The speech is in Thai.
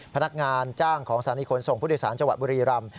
พนักงานจ้างของสถานีขนส่งผู้โดยสารจังหวัดบุรีรำ